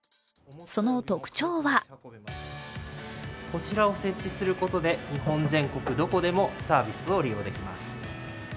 こちらを設置することで日本全国どこでもサービスを利用できます。